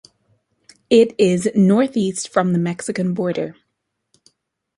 It is northeast from the Mexican border.